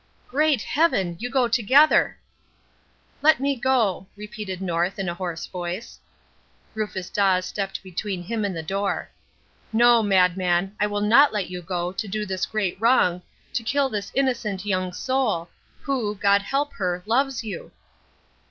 "Great Heaven, you go together!" "Let me go," repeated North, in a hoarse voice. Rufus Dawes stepped between him and the door. "No, madman, I will not let you go, to do this great wrong, to kill this innocent young soul, who God help her loves you!"